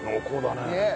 ねえ。